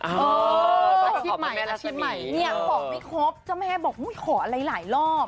อ๋ออาชีพใหม่อาชีพใหม่ขอไม่ครบเจ้าแม่บอกขออะไรหลายรอบ